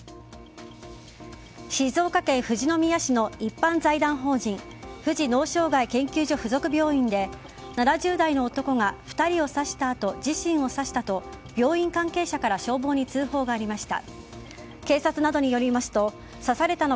静岡県富士宮市の一般財団法人富士脳障害研究所属附属病院で７０代の男が２人を刺したあと自身を刺したと病院関係者から消防に通報がありました。